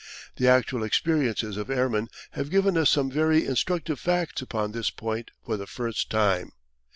The actual experiences of airmen have given us some very instructive facts upon this point for the first time.